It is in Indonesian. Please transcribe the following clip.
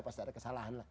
pasti ada kesalahan